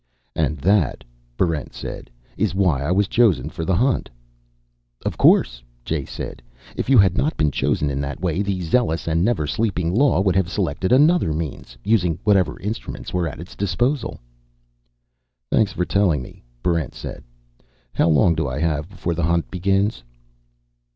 "And that," Barrent said, "is why I was chosen for the Hunt?" "Of course," Jay said. "If you had not been chosen in that way, the zealous and never sleeping law would have selected another means, using whatever instruments were at its disposal." "Thanks for telling me," Barrent said. "How long do I have before the Hunt begins?"